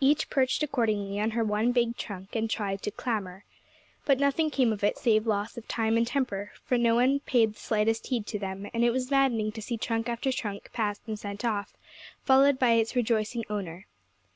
Each perched accordingly on her one big trunk, and tried to 'clamour.' But nothing came of it save loss of time and temper, for no one paid the slightest heed to them; and it was maddening to see trunk after trunk passed and sent off, followed by its rejoicing owner.